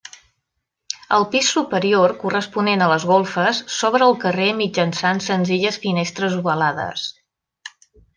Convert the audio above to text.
El pis superior, corresponent a les golfes, s'obre al carrer mitjançant senzilles finestres ovalades.